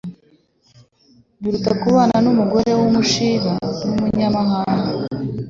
biruta kubana n’umugore w’umushiha n’umunyamahane